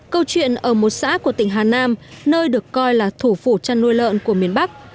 câu chuyện ở một xã của tỉnh hà nam nơi được coi là thủ phủ chăn nuôi lợn của miền bắc